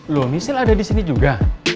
loh misel ada disini juga